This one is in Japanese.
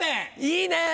いいね！